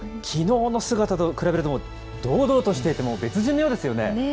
きのうの姿と比べると、堂々としていてもう、別人のようですよね。